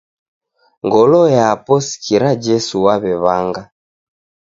Ngolo yapo sikira Jesu waw'ew'anga.